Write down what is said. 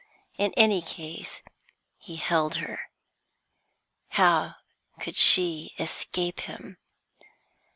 In any case he held her; how could she escape him?